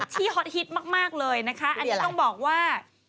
ฮอตฮิตมากเลยนะคะอันนี้ต้องบอกว่า